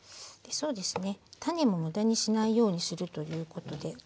そうですね。